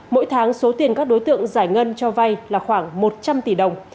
mỗi tháng số tiền các đối tượng giải ngân cho vay là khoảng một trăm linh tỷ đồng